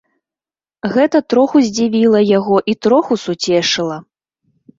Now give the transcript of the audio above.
Гэта троху здзівіла яго і троху суцешыла.